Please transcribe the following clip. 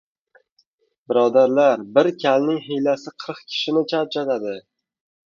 Birodarlar, bir kalning hiylasi — qirq kishini charchatadi!